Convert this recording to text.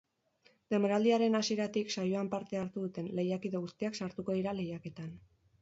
Denboraldiaren hasieratik saioan parte hartu duten lehiakide guztiak sartuko dira lehiaketan.